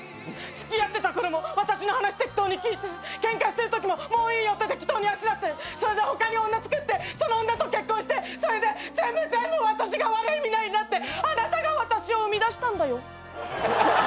付き合ってたころも私の話適当に聞いてケンカしてるときももういいよって適当にあしらってそれで他に女つくってその女と結婚してそれで全部全部私が悪いみたいになってあなたが私を生みだしたんだよ？